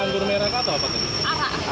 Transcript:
anggur merah atau apa